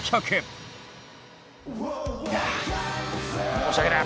申し訳ない。